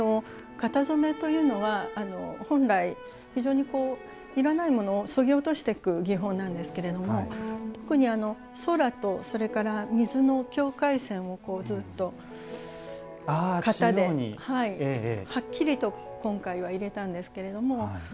型染めというのは本来非常にいらないものをそぎ落としていく技法なんですけれども特に空とそれから水の境界線をずっと型ではっきりと今回は入れたんですけれども。